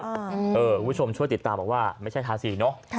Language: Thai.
คุณผู้ชมช่วยติดตามบอกว่าไม่ใช่ทาสีเนอะ